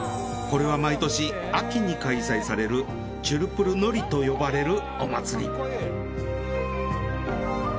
これは毎年秋に開催されるチュルプルノリと呼ばれるお祭り。